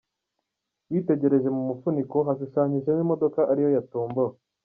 Witegereje mu mufuniko hashushanyijemo imodoka ariyo yatombowe.